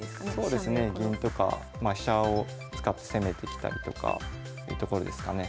そうですね銀とかまあ飛車を使って攻めてきたりとかというところですかね。